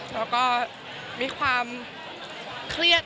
แล้วก็มีความเครียด